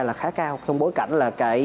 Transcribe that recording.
là khá cao trong bối cảnh là